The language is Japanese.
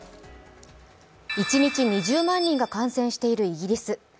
一日２０万人が感染しているイギリス。